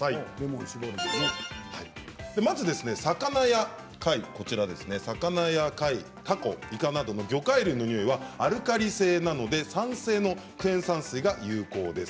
まず魚や貝たこやいかなどの魚介類のニオイはアルカリ性なので酸性のクエン酸水が有効です。